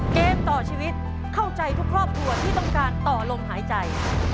เกมต่อชีวิตเข้าใจทุกครอบครัวที่ต้องการต่อลมหายใจ